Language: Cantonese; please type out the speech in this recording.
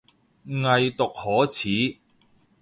偽毒可恥